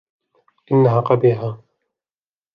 انها قبيحة